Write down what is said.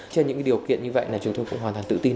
trên những điều kiện như vậy chúng tôi cũng hoàn toàn tự tin